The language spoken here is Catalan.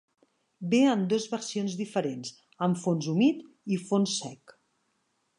Ve en dos versions diferents: amb fons humit i fons sec.